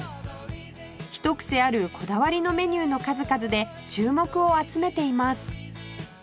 ひと癖あるこだわりのメニューの数々で注目を集めています